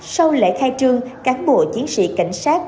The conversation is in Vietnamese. sau lễ khai trương cán bộ chiến sĩ cảnh sát